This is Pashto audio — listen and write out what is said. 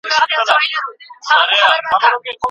زما هدف ستاسو د لور خفه کول نه دي.